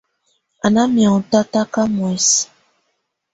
Á ná mɛ̀áŋɔ tataka muɛ̀sɛ.